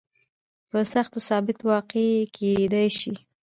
په سختیو کې ثابت واقع کېدای شي.